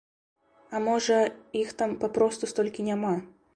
А можа, іх там папросту столькі няма?